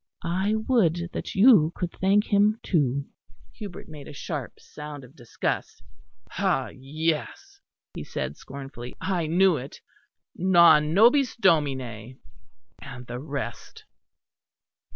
"I would that you could thank Him too." Hubert made a sharp sound of disgust. "Ah! yes," he said scornfully, "I knew it; Non nobis Domine, and the rest."